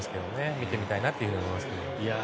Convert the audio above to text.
見てみたいなと思いますけど。